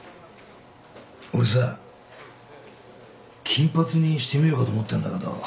俺さ金髪にしてみようかと思ってんだけどどう思う？